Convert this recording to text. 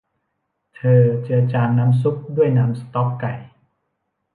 เธอเจือจางน้ำซุปด้วยน้ำสต๊อกไก่